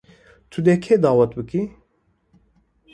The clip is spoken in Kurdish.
Tu dê kê dawet bikî.